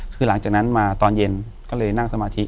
คือหลังจากนั้นมาตอนเย็นก็เลยนั่งสมาธิ